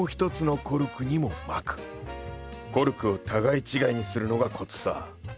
コルクを互い違いにするのがコツさ。